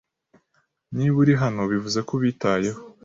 Niba uri hano, bivuze ko ubitayeho.